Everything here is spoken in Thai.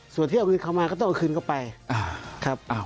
ส่วนที่เอาเงินเข้ามาก็ต้องเอาคืนเข้าไปครับ